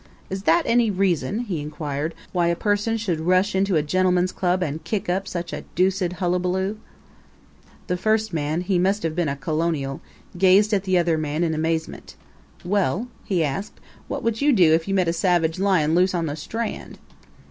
"Is that any reason," he inquired, "why a person should rush into a gentleman's club and kick up such a deuced hullabaloo?" The first man he must have been a Colonial gazed at the other man in amazement. "Well," he asked, "what would you do if you met a savage lion loose on the Strand?"